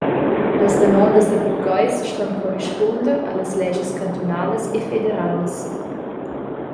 Las damondas da burgheis ston corrispunder allas leschas cantunalas e federalas.